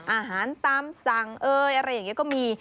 อาหารตามสั่งเอ่ยอะไรอย่างนี้ก็มี